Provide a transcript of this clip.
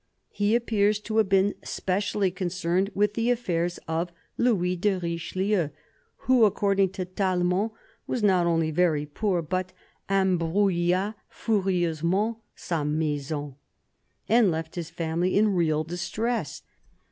He appears to have been specially concerned with the affairs of Louis de Richelieu, who, according to Tallemant, was not only very poor, but "embrouilla furieusement sa maison," and left his family in real distress.